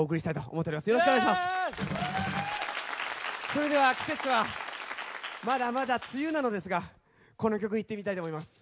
それでは季節はまだまだ梅雨なのですがこの曲いってみたいと思います。